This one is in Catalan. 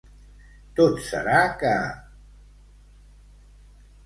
Tot serà que...